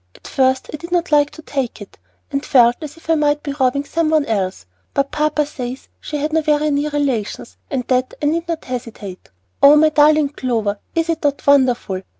At first I did not like to take it, and felt as if I might be robbing some one else; but papa says that she had no very near relations, and that I need not hesitate. Oh, my darling Clover, is it not wonderful?